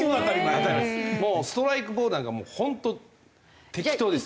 もうストライクボールなんかもう本当適当です。